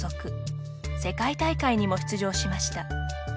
世界大会にも出場しました。